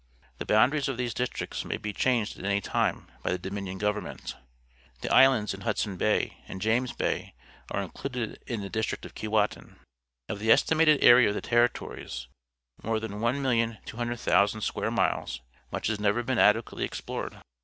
The boundaries of these districts may be changed at any time by the Dominion Government. The islands in Hudson Bay and James Bay are included in the district of Keewatin. Of the estimated area of the Territories, more than 1,200,000 square miles, much has never l^een adequately explored.